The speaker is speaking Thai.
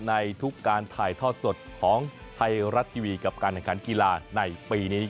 ในทุกการถ่ายทอดสดของไทยรัฐทีวีกับการแข่งขันกีฬาในปีนี้